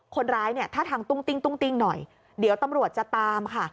คนร้ายถ้าทางตรงติงหน่อยเดี๋ยวตำรวจจะตามค่ะ